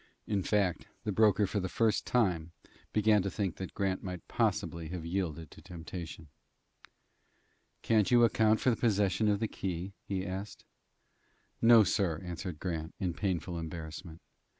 In fact, the broker for the first time began to think that Grant might possibly have yielded to temptation. "Can't you account for the possession of that key?" he asked. "No, sir," answered Grant, in painful embarrassment.